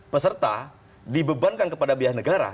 peserta dibebankan kepada biaya negara